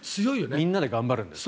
みんなで頑張るんですかね。